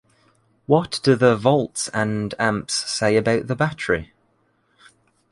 What do the volts and amps say about the battery?